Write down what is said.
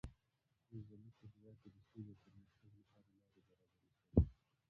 اوس زموږ په هېواد کې د سولې او پرمختګ لپاره لارې برابرې شوې.